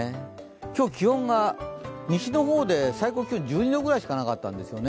今日、気温が西の方で最高気温１５度ぐらいしかなかったんですよね。